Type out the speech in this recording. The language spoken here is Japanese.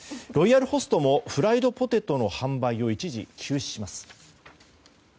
ロイヤルホストもフライドポテトの販売を一時中止します。